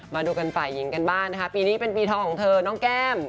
มาดูกันฝ่ายหญิงกันบ้างนะคะปีนี้เป็นปีทองของเธอน้องแก้ม